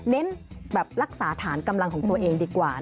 เน้นแบบรักษาฐานกำลังของตัวเองดีกว่า